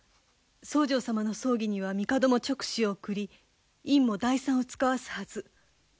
僧正様の葬儀には帝も勅使を送り院も代参を遣わすはず。